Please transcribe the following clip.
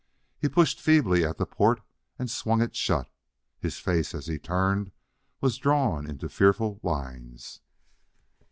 He pushed feebly at the port and swung it shut. His face, as he turned, was drawn into fearful lines.